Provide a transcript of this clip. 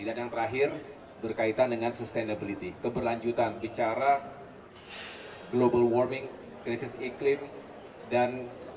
dan yang terakhir berkaitan dengan sustainability keberlanjutan bicara global warming krisis iklim dan